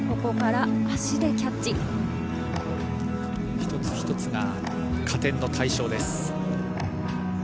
一つ一つが加点の対象です。